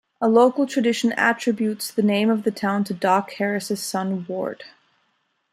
A local tradition attributes the name of the town to Doc Harris's son Ward.